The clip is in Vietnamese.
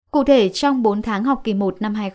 cụ thể trong bốn tháng học kỳ một